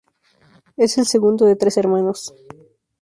Es el segundo de tres hermanos.